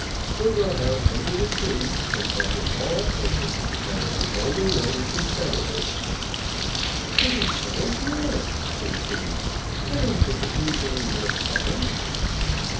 We'll go out under the tree and talk it all over. That is the only way we can settle it." "It is settled now," said Kitty. "I don't think it needs any more settling."